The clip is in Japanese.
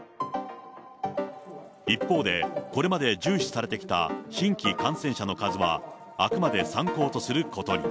一方で、これまで重視されてきた新規感染者の数はあくまで参考とすることに。